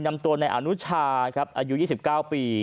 นำตัวในอนุชาครับอายุยี่สิบเก้าปี